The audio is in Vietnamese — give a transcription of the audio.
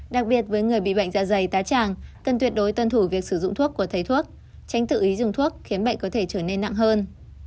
đặc biệt với người bị bệnh dạ dày tá tràng cần tuyệt đối tuân thủ việc sử dụng thuốc của thầy thuốc tránh tự ý dùng thuốc khiến bệnh có thể trở nên nặng hơn